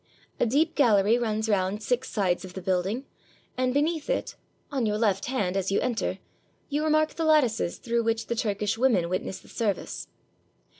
A deep gallery runs round six sides of the building, and beneath it, on your left hand as you 573 TURKEY enter, you remark the lattices through which the Turk ish women witness the service.